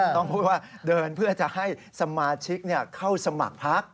ต้องพูดว่าเดินเพื่อจะให้สมาชิกเข้าสมัครพัก